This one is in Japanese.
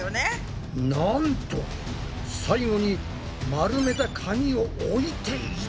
なんと最後に丸めた紙を置いていた！